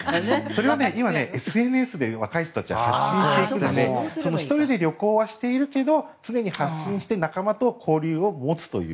それは今、ＳＮＳで若い人たちは発信するので１人で旅行はしているけど常に発信して仲間と交流を持つという。